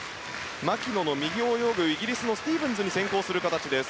牧野の右を泳ぐイギリスのスティーブンスに先行する形です。